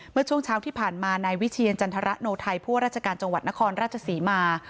เมื่อช่วงเช้าที่ผ่านมานายวิเชียรจันทรโนไทยผู้ว่าราชการจังหวัดนครราชศรีมา